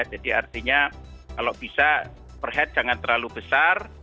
jadi artinya kalau bisa per head jangan terlalu besar